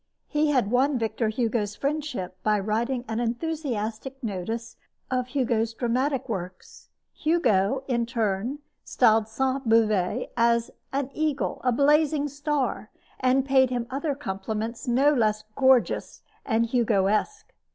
He had won Victor Hugo's friendship by writing an enthusiastic notice of Hugo's dramatic works. Hugo, in turn, styled Sainte Beuve "an eagle," "a blazing star," and paid him other compliments no less gorgeous and Hugoesque.